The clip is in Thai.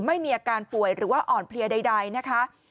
ไม่มีอาการป่วยหรือว่าอ่อนเพลียใดนะคะ